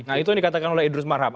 nah itu yang dikatakan oleh idrus marham